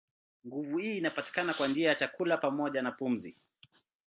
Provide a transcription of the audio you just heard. Nguvu hii inapatikana kwa njia ya chakula pamoja na pumzi.